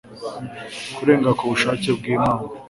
kurenga ku bushake bw'imana